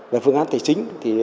về phương án tài chính